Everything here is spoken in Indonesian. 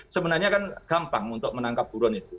sebenarnya kan gampang untuk menangkap buron itu